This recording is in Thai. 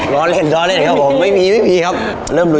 ร้อนเล่นครับผม